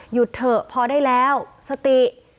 หยุดเถอะพอได้แล้วสติ